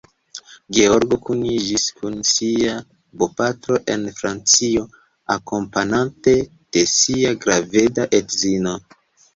Georgo kuniĝis kun sia bopatro en Francio, akompanate de sia graveda edzino.